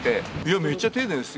めっちゃ丁寧ですよ。